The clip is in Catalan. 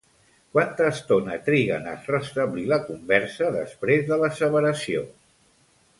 Quanta estona triguen a restablir la conversa, després de l'asseveració?